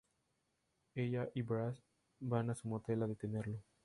Ella y Brass van a su motel a detenerlo.